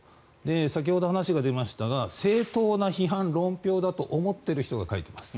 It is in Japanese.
先ほど話が出ましたが正当な批判、論評だと思っている人が書いています。